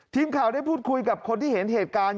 ทีมข่าวได้พูดคุยกับคนที่เห็นเหตุการณ์